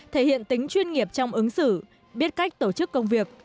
thể hiện tính chuyên nghiệp trong ứng xử biết cách tổ chức công việc